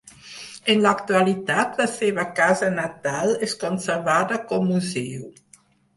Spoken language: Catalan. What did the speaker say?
En l'actualitat, la seva casa natal és conservada com museu.